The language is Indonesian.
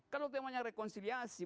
kalau temanya rekonsiliasi